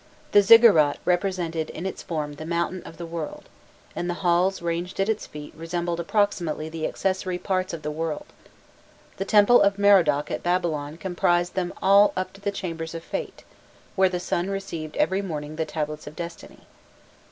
The "ziggurat" represented in its form the mountain of the world, and the halls ranged at its feet resembled approximately the accessory parts of the world: the temple of Merodach at Babylon comprised them all up to the chambers of fate, where the sun received every morning the tablets of destiny.